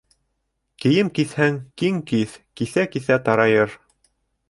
Кейем киҫһәң киң киҫ: киҫә-киҫә тарайыр.